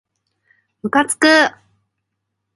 むかつく